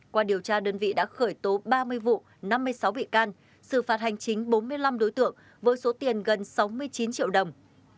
qua điều tra đơn vị đã khởi tố ba mươi vụ năm mươi sáu bị can xử phạt hành chính bốn mươi năm đối tượng với số tiền gần sáu mươi chín triệu đồng